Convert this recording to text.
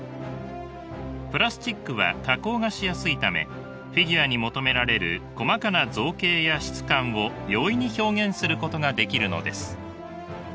プラスチックは加工がしやすいためフィギュアに求められる細かな造形や質感を容易に表現することができるのです。